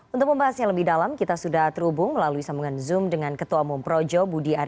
untuk membahasnya lebih dalam kita sudah terhubung melalui sambungan zoom dengan ketua umum projo budi